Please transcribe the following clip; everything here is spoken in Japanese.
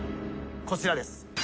こちらです。